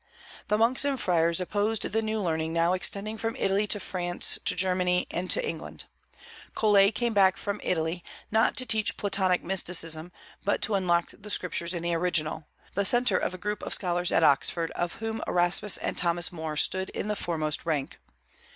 The monks and friars opposed the new learning now extending from Italy to France, to Germany, and to England. Colet came back from Italy, not to teach Platonic mysticism, but to unlock the Scriptures in the original, the centre of a group of scholars at Oxford, of whom Erasmus and Thomas More stood in the foremost rank.